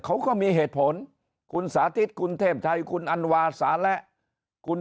เขาก็มีเหตุผลคุณสาธิตคุณเทพชัยคุณอันวาสาระคุณ